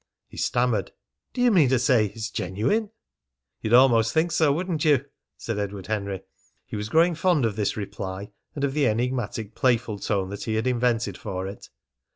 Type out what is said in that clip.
He stammered: "Do you mean to say it's genuine?" "You'd almost think so, wouldn't you?" said Edward Henry. He was growing fond of this reply, and of the enigmatic playful tone that he had invented for it.